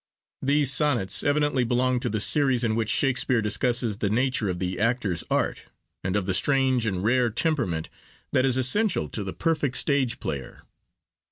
These sonnets evidently belonged to the series in which Shakespeare discusses the nature of the actor's art, and of the strange and rare temperament that is essential to the perfect stage player.